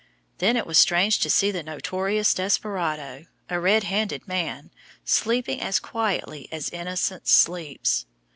Then it was strange to see the notorious desperado, a red handed man, sleeping as quietly as innocence sleeps.